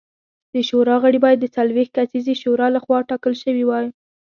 د شورا غړي باید د څلوېښت کسیزې شورا لخوا ټاکل شوي وای